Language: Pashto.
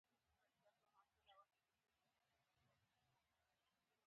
یوه علمي او عملي نظریه جوړه شوې ده.